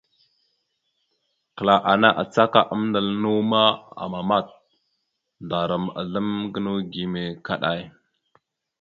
Kəla ana acaka amndal naw ma, amamat. Ndaram azlam gənaw gime kaɗay.